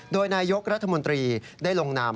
โดยนายกรัฐมนตรีได้ลงนาม